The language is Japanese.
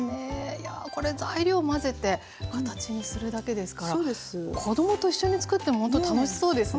いやこれ材料混ぜて形にするだけですから子供と一緒につくっても本当楽しそうですね。